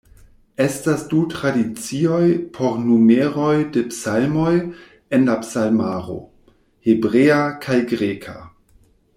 Estas du tradicioj por numeroj de psalmoj en la psalmaro: hebrea kaj greka.